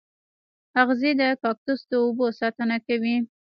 اغزي د کاکتوس د اوبو ساتنه کوي